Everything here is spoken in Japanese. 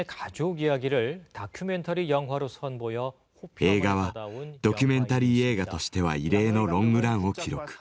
映画はドキュメンタリー映画としては異例のロングランを記録。